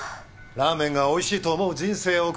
「ラーメンが美味しいと思う人生を送れ」。